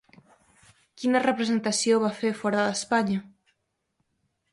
Quina representació va fer fora d'Espanya?